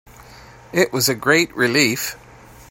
It was a great relief